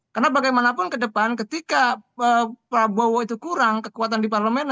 karena bagaimanapun ke depan ketika pak prabowo itu kurang kekuatan di parlemen